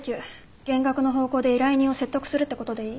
減額の方向で依頼人を説得するってことでいい？